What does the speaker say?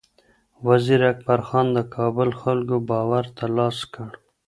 وزیر اکبر خان د کابل خلکو باور ترلاسه کړ.